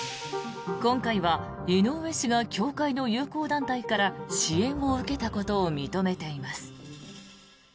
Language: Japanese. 今回は井上氏が教会の友好団体から支援を受けたことを認めています。